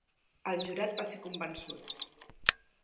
El jurat va ser convençut.